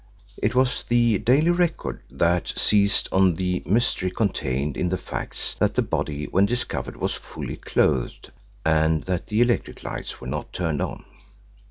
It was the Daily Record that seized on the mystery contained in the facts that the body when discovered was fully clothed and that the electric lights were not turned on.